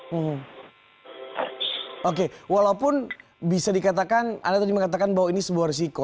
hmm oke walaupun bisa dikatakan anda tadi mengatakan bahwa ini sebuah resiko